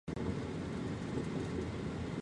担任中国人民解放军国防大学教授。